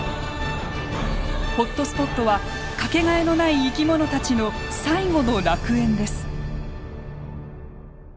ホットスポットは掛けがえのない生き物たちの最後の楽園です。